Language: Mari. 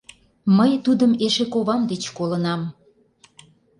Мый тудым эше ковам деч колынам.